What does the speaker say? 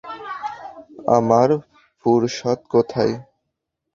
আমার ফুরসত কোথায়?